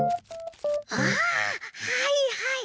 ああはいはい。